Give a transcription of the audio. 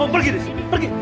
pergi dari sini